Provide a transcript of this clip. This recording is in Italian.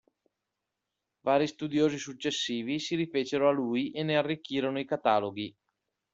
Vari studiosi successivi si rifecero a lui e ne arricchirono i cataloghi.